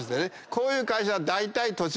こういう会社は。